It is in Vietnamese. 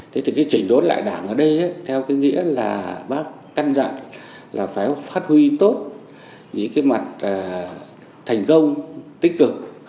thế thì cái chỉnh đốn lại đảng ở đây theo cái nghĩa là bác căn dặn là phải phát huy tốt những cái mặt thành công tích cực